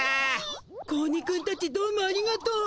子鬼くんたちどうもありがとう。